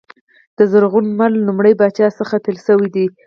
د زرغون لمر لومړي پاچا څخه پیل شوی دی.